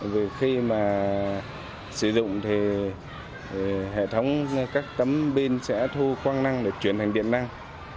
vì khi mà sử dụng thì hệ thống các tấm pin sẽ thu quan năng để chuyển thành điện năng